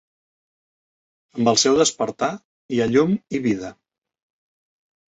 Amb el seu despertar hi ha llum i vida.